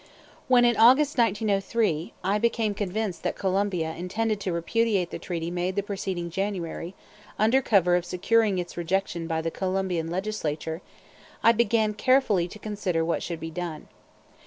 When, in August, 1903, I became convinced that Colombia intended to repudiate the treaty made the preceding January, under cover of securing its rejection by the Colombian Legislature, I began carefully to consider what should be done.